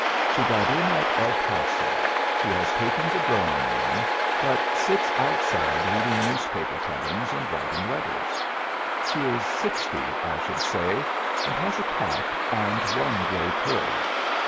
She got in at El Paso. She has taken the drawing room, but sits outside reading newspaper cuttings and writing letters. She is sixty, I should say, and has a cap and one gray curl.